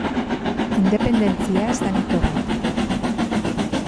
Independentzia ez da mito bat.